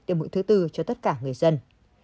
tiêm mũi thứ tư cho tất cả người dân